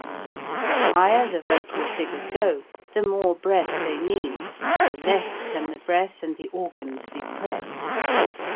The higher the vocal figures go, the more breath they need, the less can the breath and the organs be pressed.